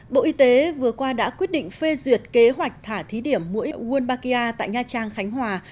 bộ y tế vừa qua đã quyết định phê duyệt kế hoạch thả thí điểm mũi walbakia tại nha trang khánh hòa